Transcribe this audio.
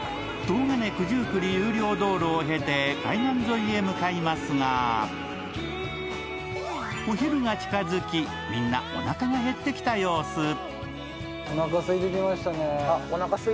東金九十九里有料道路を経て海岸沿いへ向かいますが、お昼が近づき、みんなおなかが減ってきた様子。